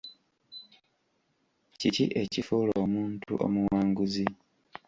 Kiki ekifuula omuntu omuwanguzi?